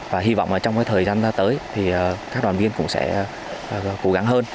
và hy vọng trong thời gian tới thì các đoàn viên cũng sẽ cố gắng hơn